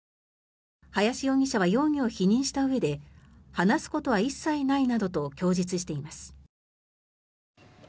林容疑者は容疑を否認したうえで話すことは一切ないなどと供述しています。